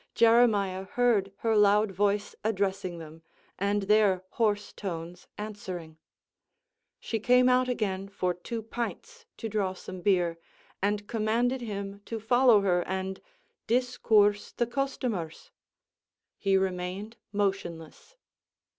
Jeremiah heard her loud voice addressing them, and their hoarse tones answering. She came out again for two pints to draw some beer, and commanded him to follow her and "discoorse the customers." He remained motionless.